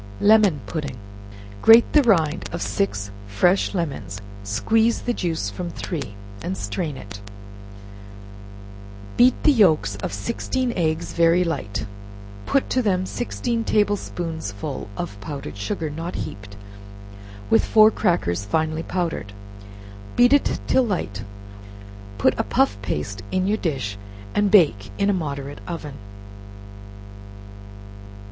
Lemon Pudding. Grate the rind of six fresh lemons, squeeze the juice from three, and strain it; beat the yelks of sixteen eggs very light, put to them sixteen table spoonsful of powdered sugar, not heaped, with four crackers finely powdered; beat it till light; put a puff paste in your dish and bake in a moderate oven.